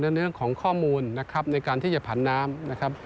ในเรื่องของข้อมูลในการที่จะผ่านน้ำ